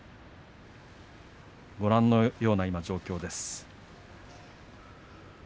ご覧のような状況です。